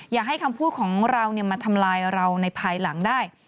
อย่าให้คำพูดของเรามาทำลายเราในภายหลังได้